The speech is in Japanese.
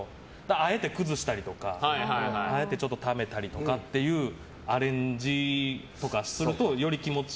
あえて崩したりとかあえて、ためたりとかっていうアレンジとかするとより気持ちいい。